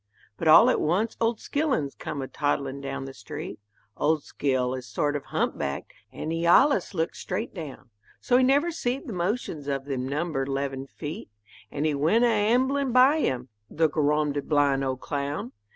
But all at once old Skillins come a toddlin' down the street; Old Skil is sort of hump backed, and he allus looks straight down; So he never seed the motions of them number 'leven feet, And he went a amblin' by him the goramded blind old clown!